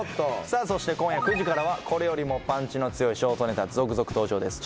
さあそして今夜９時からはこれよりもパンチの強いショートネタ続々登場です。